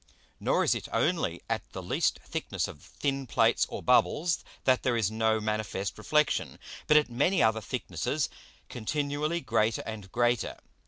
Nor is it only at the least thickness of thin Plates or Bubbles, that there is no manifest Reflexion, but at many other thicknesses continually greater and greater.